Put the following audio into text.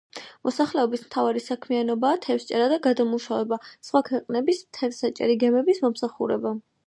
მოსახლეობის მთავარი საქმიანობაა თევზჭერა და გადამუშავება, სხვა ქვეყნების თევზსაჭერი გემების მომსახურება.